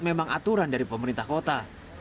memang aturan dari pemerintah kota